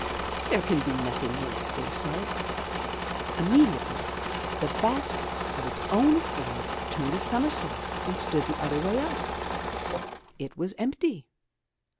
"There can be nothing in it," they said. Inmiediately the basket of its own accord turned a somersault and stood the other way up. It was empty.